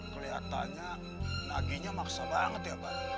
keliatannya naginya maksa banget ya bar